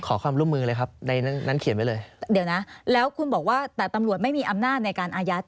ขอความร่วมมือเลยครับในนั้นเขียนไว้เลยเดี๋ยวนะแล้วคุณบอกว่าแต่ตำรวจไม่มีอำนาจในการอายัด